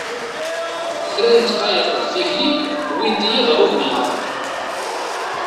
Kra n ddqayeq d tikli wwint-iyi ɣer ugemmaḍ.